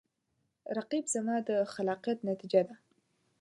رقیب زما د خلاقیت نتیجه ده